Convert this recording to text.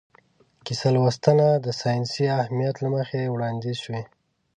کیسه لوستنه د ساینسي اهمیت له مخې وړاندیز شوې.